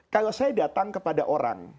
kalau saya datang kepada orang